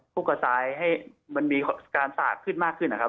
พวกกระทรายให้มันมีการสาดขึ้นมากขึ้นนะครับ